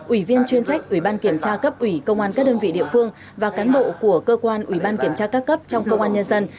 ủy viên chuyên trách ủy ban kiểm tra cấp ủy công an các đơn vị địa phương và cán bộ của cơ quan ủy ban kiểm tra các cấp trong công an nhân dân